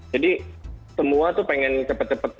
jadi semua tuh pengen cepet cepet